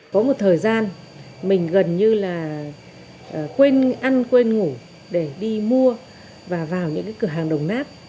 có một thời gian mình gần như là quên ăn quên ngủ để đi mua và vào những cửa hàng đồng nát